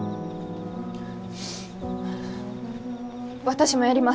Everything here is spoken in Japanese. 私もやります。